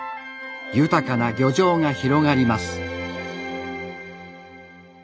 豊かな漁場が広がります。